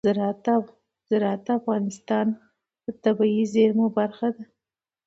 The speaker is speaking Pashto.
زراعت د افغانستان د طبیعي زیرمو برخه ده.